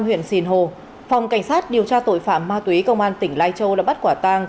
huyện sinh hồ phòng cảnh sát điều tra tội phạm ma túy công an tỉnh lai châu đã bắt quả tang